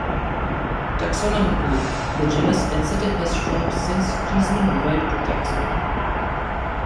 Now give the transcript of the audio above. Taxonomically, the genus "Ensete" has shrunk since Cheesman revived the taxon.